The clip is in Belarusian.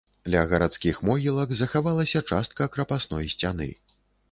Ля гарадскіх могілак захавалася частка крапасной сцяны.